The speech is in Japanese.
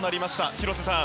広瀬さん